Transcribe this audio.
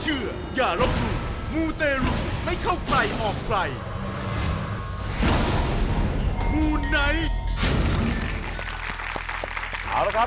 เอาละครับกลับมามูลกันต่อนะครับ